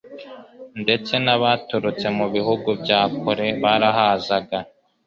ndetse n'abaturutse mu bihugu bya kure barahazaga.